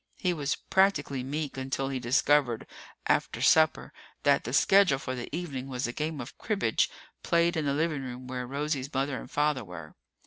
He was practically meek until he discovered after supper that the schedule for the evening was a game of cribbage played in the living room where Rosie's mother and father were.